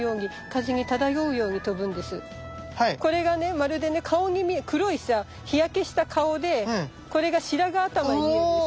まるでね顔に見え黒いさ日焼けした顔でこれが白髪頭に見えるでしょ。